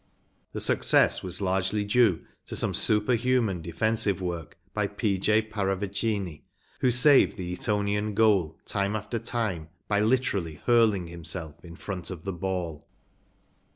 The success was largely due to some super¬ human defensive work by P, J. Para vicini, who iA saved the Etonian goal time after time by literally hurling him¬ self in front of the ball.